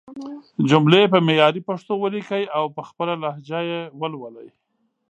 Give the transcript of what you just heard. جملې په معياري پښتو وليکئ او په خپله لهجه يې ولولئ!